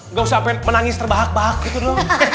gausah apain menangis terbahak bahak gitu doang